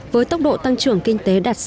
với tốc độ tăng trưởng kinh tế đạt sáu mươi